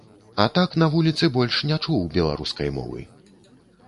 А так на вуліцы больш не чуў беларускай мовы.